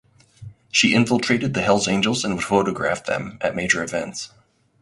She infiltrated the Hells Angels and would photograph them at major events.